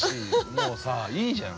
もういいじゃん。